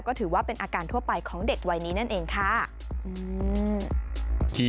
ก็ถือว่าเป็นอาการทั่วไปของเด็กวัยนี้นั่นเองค่ะ